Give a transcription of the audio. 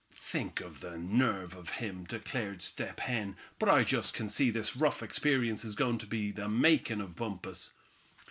"Think of the nerve of him," declared Step Hen. "But I just can see this rough experience is goin' to be the makin' of Bumpus."